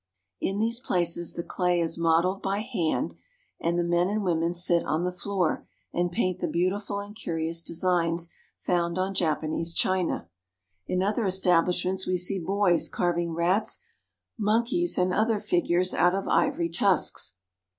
In these places the clay is modeled by hand, and the men and women sit on the floor and paint the beautiful and curious designs found on Japanese china. In other estabUshments we see boys carving rats, monkeys, and other figures out of ivory tusks.